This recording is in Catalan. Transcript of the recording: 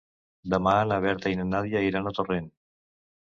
Demà na Berta i na Nàdia iran a Torrent.